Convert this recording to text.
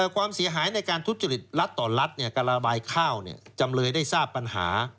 ความเสียหายในการทุจริตรัฐต่อรัฐการระบายข้าวจำเลยได้ทราบปัญหา